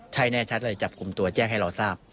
ใช่แน่ชัดเลยจับกลุ่มตัวแจ้งให้เราทราบ